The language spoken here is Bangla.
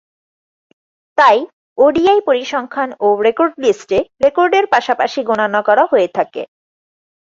তাই, ওডিআই পরিসংখ্যান ও রেকর্ড লিস্ট-এ রেকর্ডের পাশাপাশি গণনা করা হয়ে থাকে।